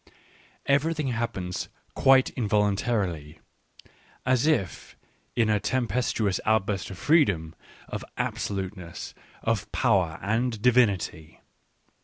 Every thing happens quite involuntarily, as if in a tem pestuous outburst of freedom, of absoluteness, of power and divinity.